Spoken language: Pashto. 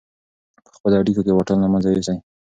په خپلو اړیکو کې واټن له منځه یوسئ.